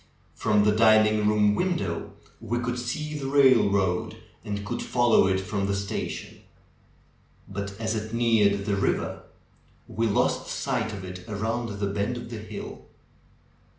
From the dining room window we could see the railroad and could fol low it from the station. But as it neared the river we lost sight of it around the bend of the hill.